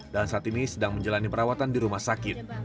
dan saat ini sedang menjalani perawatan di rumah sakit